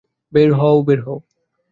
বের হও!